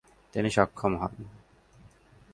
তিনি সক্ষম হন।